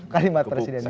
kalimat presiden ini